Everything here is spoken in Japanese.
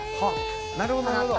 なるほどなるほど。